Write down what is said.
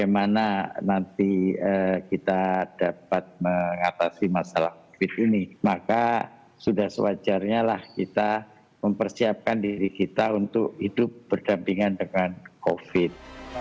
maka sudah sewajarnya kita mempersiapkan diri kita untuk hidup berdampingan dengan covid sembilan belas